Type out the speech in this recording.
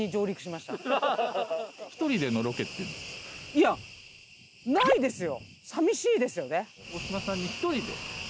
いやないですよ。